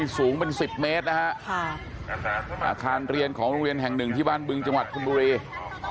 สูงเป็น๑๐เมตรนะฮะอาคารเรียนของโรงเรียนแห่งหนึ่งที่บ้านบึงจังหวัดคุณบุรี